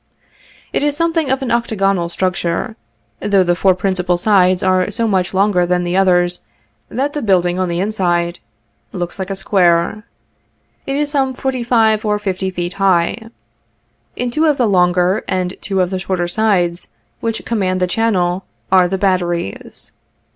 It is something of an octagonal structure, though the four principal sides are so much longer than the others, that the building, on the inside, looks like a square. It is some forty five or fifty feet high. In two of the longer and two of the shorter sides, which command the channel, are the batteries.